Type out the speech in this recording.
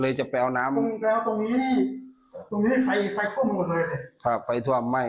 เลยจะไปเอาน้ำแล้วตรงนี้ตรงนี้ไฟท่วมหมดเลย